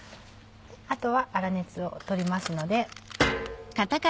あとは粗熱を取りますので。